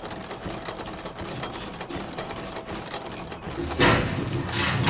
いやちょっと。